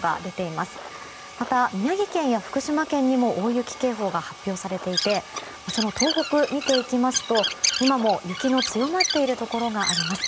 また、宮城県や福島県にも大雪警報が発表されていてその東北を見ていきますと今も雪の強まっているところがあります。